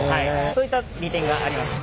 そういった利点があります。